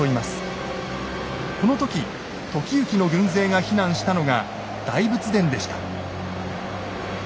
この時時行の軍勢が避難したのが大仏殿でした。